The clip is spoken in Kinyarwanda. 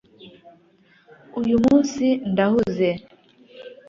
uyu munsi ndahuze